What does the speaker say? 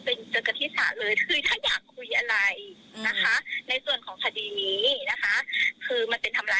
พ่อแม่ฉันอ่ะถ้าฉันด่าจริงคุณไปฟ้องเลยค่ะคุณเขาก็คุณเขาก็เคยฟ้องอยู่แล้ว